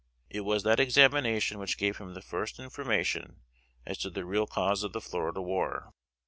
It was that examination which gave him the first information as to the real cause of the Florida War.